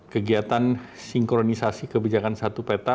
kegiatan sinkronisasi kebijakan satu peta